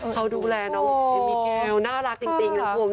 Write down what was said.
เขาดูแลน้องพี่มิเกลน่ารักจริงน้องภูมิ